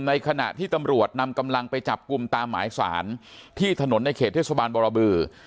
ขณะที่ตำรวจนำกำลังไปจับกลุ่มตามหมายสารที่ถนนในเขตเทศบาลบรบือ